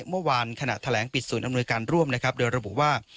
เมื่อวานขณะแถลงปิดศูนย์อำนวยการร่วมนะครับโดยระบุว่า